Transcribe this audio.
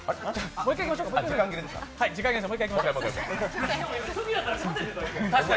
もう１回いきましょうか。